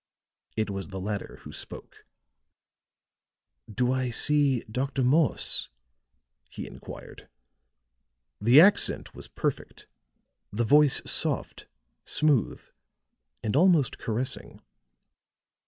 It was the latter who spoke. "Do I see Dr. Morse?" he inquired. The accent was perfect, the voice soft, smooth and almost caressing.